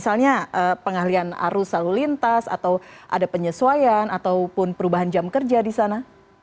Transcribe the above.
misalnya pengalian arus lalu lintas atau ada penyesuaian ataupun perubahan jam kerja di sana